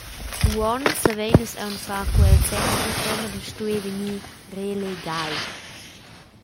Uonn savein nus aunc far quel senza la tema da stuer vegnir relegai.